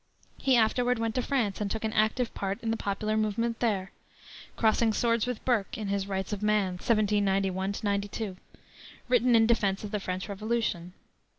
He afterward went to France and took an active part in the popular movement there, crossing swords with Burke in his Rights of Man, 1791 92, written in defense of the French Revolution.